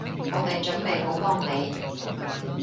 我哋準備好幫你